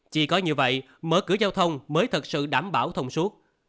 chỉ có như vậy mở cửa giao thông mới thật sự đảm bảo thông suốt